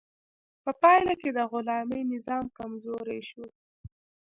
په پایله کې د غلامي نظام کمزوری شو.